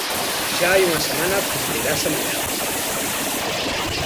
Xa hai unha semana, cumprirase mañá.